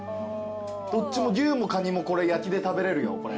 どっちも牛も蟹も焼きで食べれるよこれ。